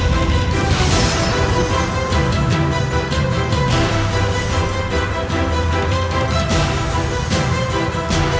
kanda tidak bisa menghadapi rai kenterimanik